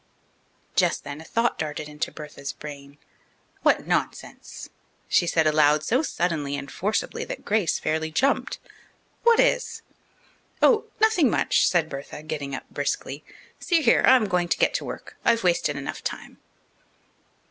Just then a thought darted into Bertha's brain. "What nonsense!" she said aloud so suddenly and forcibly that Grace fairly jumped. "What is?" "Oh, nothing much," said Bertha, getting up briskly. "See here, I'm going to get to work. I've wasted enough time."